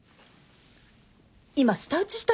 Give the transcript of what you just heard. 今舌打ちした？